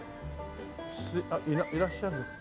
あっいらっしゃる？